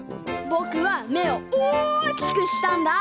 ぼくはめをおおきくしたんだ！